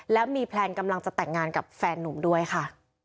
แล้วมีแพลนกำลังจะแต่งงานกับแฟนนุ่มด้วยค่ะ